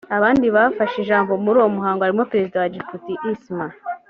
abandi bafashe ijambo muri uwo muhango harimo perezida wa djibouti isma